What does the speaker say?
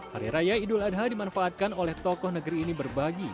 hari raya idul adha dimanfaatkan oleh tokoh negeri ini berbagi